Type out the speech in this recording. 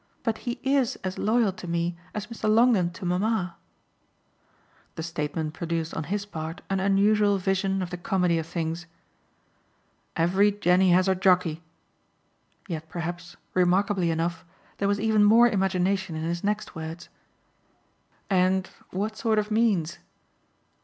But he IS as loyal to me as Mr. Longdon to mamma." The statement produced on his part an unusual vision of the comedy of things. "Every Jenny has her Jockey!" Yet perhaps remarkably enough there was even more imagination in his next words. "And what sort of means?"